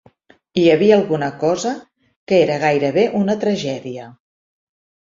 Hi havia alguna cosa que era gairebé una tragèdia.